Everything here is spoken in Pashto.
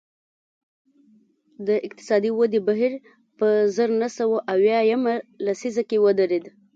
د اقتصادي ودې بهیر په زر نه سوه اویا یمه لسیزه کې ودرېد